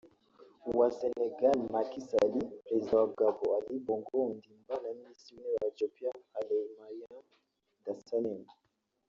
uwa sénégal Macky Sall perezida wa Gabon Ali Bongo Ondimba na Minisitiri w’intebe wa Ethiopia Hailemariam Desalegn